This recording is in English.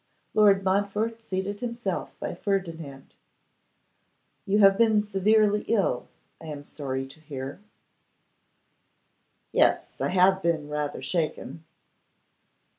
Lord Montfort seated himself by Ferdinand. 'You have been severely ill, I am sorry to hear.' 'Yes; I have been rather shaken.